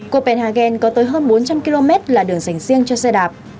copenhagen có tới hơn bốn trăm linh km là đường dành riêng cho xe đạp